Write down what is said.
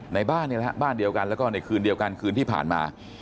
ในบ้านนี่แหละบ้านเดียวกันแล้วก็ในคืนเดียวกันคืนที่ผ่านมา